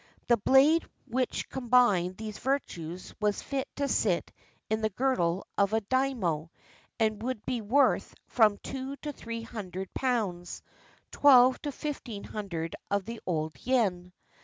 The blade which combined these virtues was fit to sit in the girdle of a daimio, and would be worth from two to three hundred pounds; twelve to fifteen hundred of the old yen.